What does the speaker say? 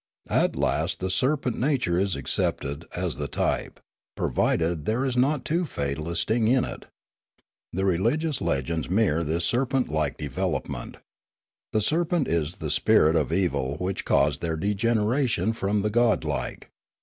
At last the serpent nature is accepted as the type, provided there is not too fatal a sting in it. The religious legends mirror this serpent like develop ment. The serpent is the spirit of evil which caused their degeneration from the godlike.